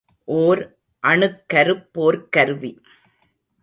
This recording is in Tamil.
ஓர் அணுக்கருப் போர்க்கருவி.